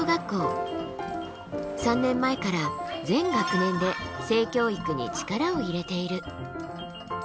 ３年前から全学年で性教育に力を入れている。